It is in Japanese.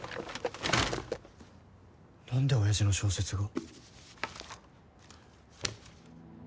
何で親父の小説が。